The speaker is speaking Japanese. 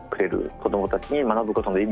子どもたちに学ぶことの意味をですね